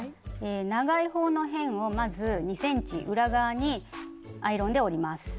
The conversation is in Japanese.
長い方の辺をまず２ｃｍ裏側にアイロンで折ります。